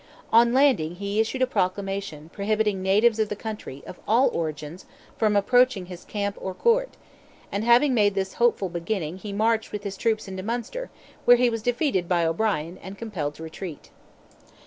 On landing he issued a proclamation, prohibiting natives of the country, of all origins, from approaching his camp or court, and having made this hopeful beginning he marched with his troops into Munster, where he was defeated by O'Brien, and compelled to retreat.